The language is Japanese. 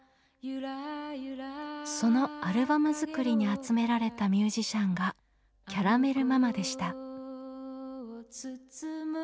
そのアルバム作りに集められたミュージシャンがキャラメル・ママでした。